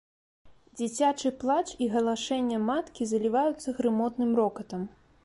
Дзіцячы плач і галашэнне маткі заліваюцца грымотным рокатам.